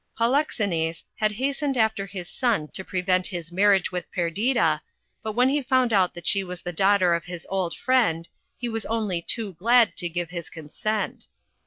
Polixenes had hastened after his son to prevent his marriage with Perdita, but when he found that she was the daughter of his old friend, he was only loo glad to give his consent.